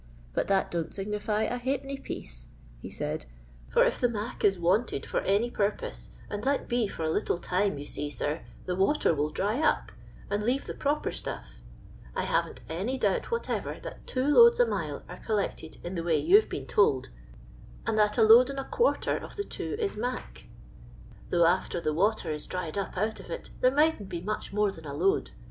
But that don't signify a halfpenny piece," he said, "for if the 'mac' is wanted for any purpose, and let be for a little time, you see, sir, the water will dry up, and leave the proper stuff I haven 't any doubt whatever that two iMds a mile are collected in the way you Ve been told, and that a load and a quarter of the two is ' nuic,' though after the water is dried up out of it there mightn't be much more than a load.